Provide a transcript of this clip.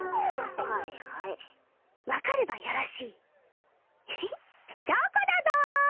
はいはい分かればよろしいチョコだぞ！